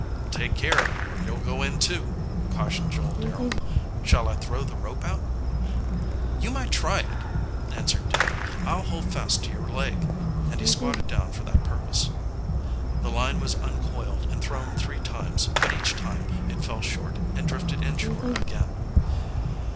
"Take care, or you'll go in too," cautioned Joel Darrel. "Shall I throw the rope out?" "You might try it," answered Dick. "I'll hold fast to your leg," and he squatted down for that purpose. The line was uncoiled and thrown three times, but each time it fell short and drifted inshore again.